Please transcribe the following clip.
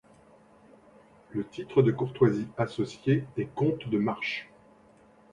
Le titre de courtoisie associé est comte de March.